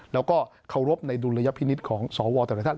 แล้วก็เคารพในดุลยพินิษฐ์ของสวแต่ละท่าน